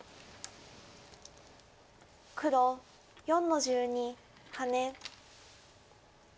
黒４の十二ハネ。